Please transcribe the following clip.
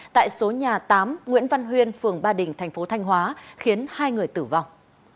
tại số nhà tám nguyễn văn huyên phường ba đình thành phố thanh hóa khiến hai người tử vong